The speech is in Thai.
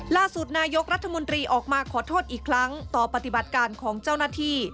ล่าสุดนายกรัฐมนตรีออกมาขอโทษอีกครั้งต่อปฏิบัติการของเจ้าหน้าที่